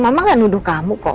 mama gak nuduh kamu kok